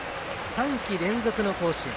３季連続の甲子園。